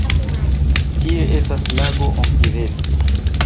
Tie estas lago Onkivesi.